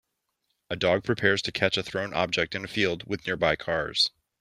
A dog prepares to catch a thrown object in a field with nearby cars.